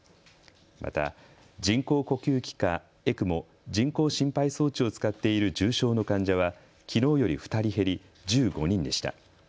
また人工呼吸器かＥＣＭＯ・人工心肺装置を使っている重症の患者はきのうより２人減り１５人でした。